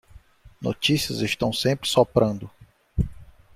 Notícias estão sempre soprando